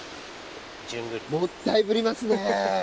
もったいぶりますね。